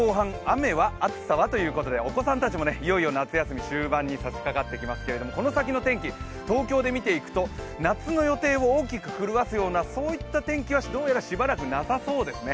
お子さんたちもいよいよ夏休み終盤にさしかかってきますけど、この先の天気、東京で見ていくと夏の予定を大きく狂わすようなそういった天気はどうやらしばらくなさそうですね。